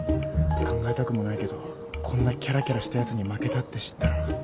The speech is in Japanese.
考えたくもないけどこんなきゃらきゃらしたやつに負けたって知ったら。